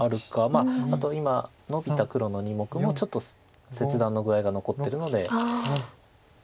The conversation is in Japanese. まああと今ノビた黒の２目もちょっと切断の具合が残ってるので。